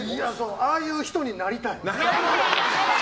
ああいう人になりたい。